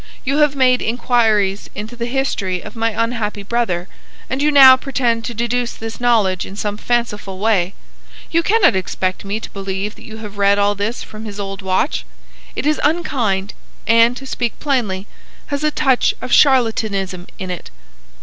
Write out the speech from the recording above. You have made inquires into the history of my unhappy brother, and you now pretend to deduce this knowledge in some fanciful way. You cannot expect me to believe that you have read all this from his old watch! It is unkind, and, to speak plainly, has a touch of charlatanism in it."